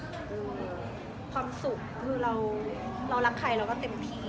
คือความสุขคือเรารักใครเราก็เต็มที่